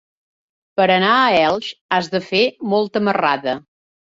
Per anar a Elx has de fer molta marrada.